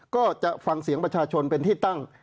ก็จะฟังเสียงประชาชนเป็นที่ตั้ง